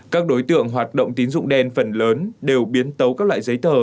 các đối tượng hoạt động tín dụng đen phần lớn đều biến tấu các loại giấy tờ